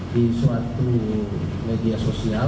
di suatu media sosial